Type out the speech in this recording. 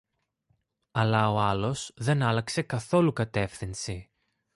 Αλλά ο άλλος δεν άλλαξε καθόλου κατεύθυνση